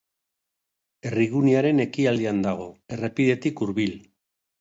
Herrigunearen ekialdean dago, errepidetik hurbil.